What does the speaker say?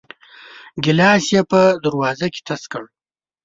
ګيلاس يې په دروازه کې تش کړ.